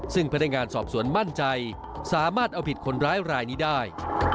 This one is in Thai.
ซึ่งพนักงานสอบสวนมั่นใจสามารถเอาผิดคนร้ายรายนี้ได้